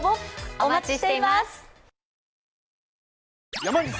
お待ちしています。